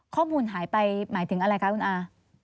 ข้อมูลหายไปหมายถึงอะไรคะคุณอา